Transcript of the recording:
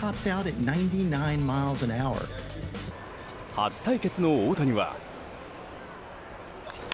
初対決の大谷は。